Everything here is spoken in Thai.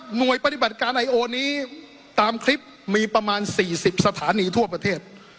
ปฏิบัติการไอโอนี้ตามคลิปมีประมาณ๔๐สถานีทั่วประเทศ